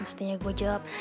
mestinya gue jawab